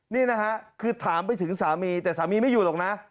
นี่นะฮะคือถามไปถึงสามีแต่สามีไม่อยู่หรอกนะ